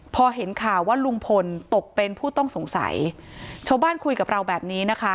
พอเห็นข่าวว่าลุงพลตกเป็นผู้ต้องสงสัยชาวบ้านคุยกับเราแบบนี้นะคะ